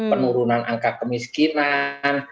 penurunan angka kemiskinan